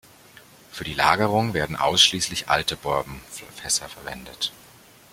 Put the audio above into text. Für die Lagerung werden ausschließlich alte Bourbon-Fässer verwendet.